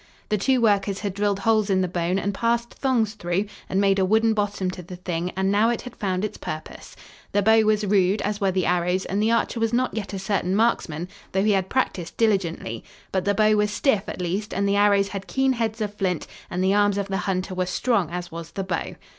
The two workers had drilled holes in the bone and passed thongs through and made a wooden bottom to the thing and now it had found its purpose. The bow was rude, as were the arrows, and the archer was not yet a certain marksman, though he had practiced diligently, but the bow was stiff, at least, and the arrows had keen heads of flint and the arms of the hunter were strong as was the bow.